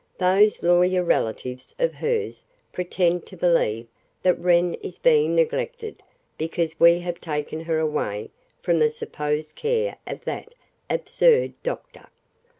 Those lawyer relatives of hers pretend to believe that Wren is being neglected because we have taken her away from the supposed care of that absurd doctor.